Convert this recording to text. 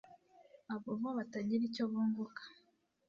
abo bo batagira icyo bunguka.”